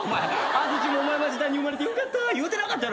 「安土桃山時代に生まれてよかった」言うてなかったやろ。